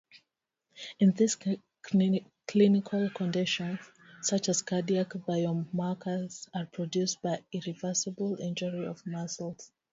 In these clinical conditions, such cardiac biomarkers are produced by irreversible injury of muscles.